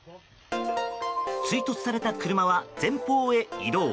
追突された車は前方へ移動。